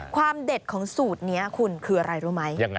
เด็ดของสูตรนี้คุณคืออะไรรู้ไหม